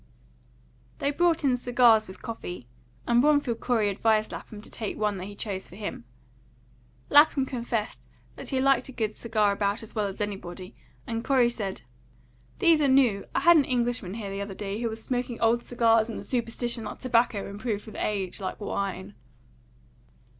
They brought in cigars with coffee, and Bromfield Corey advised Lapham to take one that he chose for him. Lapham confessed that he liked a good cigar about as well as anybody, and Corey said: "These are new. I had an Englishman here the other day who was smoking old cigars in the superstition that tobacco improved with age, like wine."